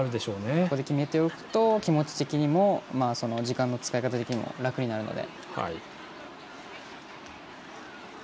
ここで決めておくと気持ち的にも時間の使い方的にも楽になるので。